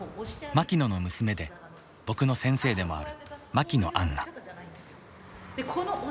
マキノの娘で僕の先生でもある牧野アンナ。